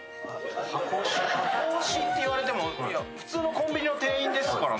箱推しって言われても普通のコンビニの店員ですからね。